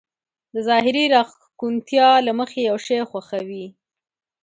د ظاهري راښکونتيا له مخې يو شی خوښوي.